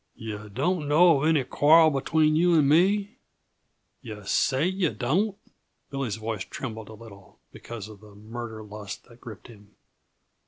"Yuh don't know of any quarrel between you and me? Yuh say yuh don't?" Billy's voice trembled a little, because of the murder lust that gripped him.